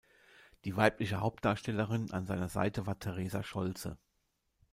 Die weibliche Hauptdarstellerin an seiner Seite war Theresa Scholze.